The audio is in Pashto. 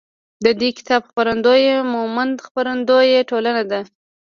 د دې کتاب خپرندویه مومند خپروندویه ټولنه ده.